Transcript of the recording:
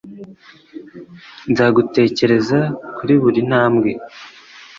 Nzagutekereza kuri buri ntambwe